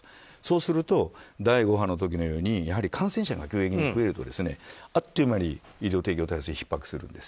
そうすると第５波の時のように感染者が増えるとあっという間に医療提供体制がひっ迫するんです。